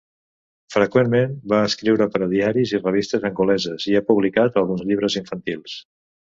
Freqüentment va escriure per a diaris i revistes angoleses i ha publicat alguns llibres infantils.